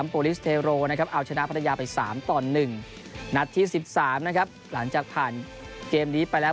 โปรลิศเทรลล์เอาชนะภัทยาไป๓ต่อ๑นัดที่๑๓หลังจากผ่านเกมนี้ไปแล้ว